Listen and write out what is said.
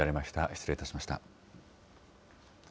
失礼いたしました。